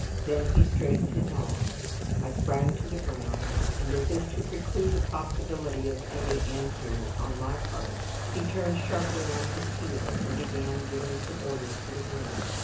Then he straightened his arm, I sprang to the ground, and as if to preclude the possibility of any answer on my part, he turned sharply on his heel, and began giving some orders to the groom.